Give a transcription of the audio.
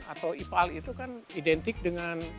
atau ipal itu kan identik dengan